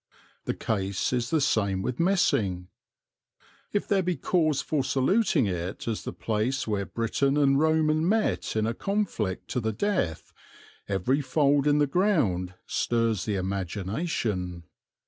The case is the same with Messing. If there be cause for saluting it as the place where Briton and Roman met in a conflict to the death every fold in the ground stirs the imagination.